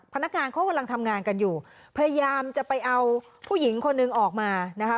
พนักงานเขากำลังทำงานกันอยู่พยายามจะไปเอาผู้หญิงคนหนึ่งออกมานะคะ